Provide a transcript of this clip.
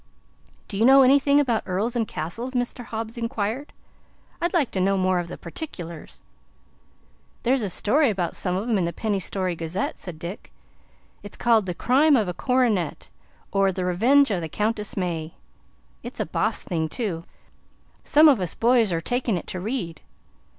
"Do you know anything about earls and castles?" Mr. Hobbs inquired. "I'd like to know more of the particklars." "There's a story about some on 'em in the Penny Story Gazette," said Dick. "It's called the 'Crime of a Coronet; or, The Revenge of the Countess May.' It's a boss thing, too. Some of us boys 're takin' it to read."